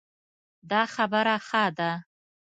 دا خبره ښه ده